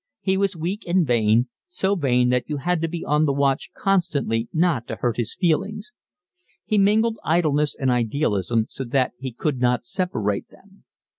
He was weak and vain, so vain that you had to be on the watch constantly not to hurt his feelings; he mingled idleness and idealism so that he could not separate them.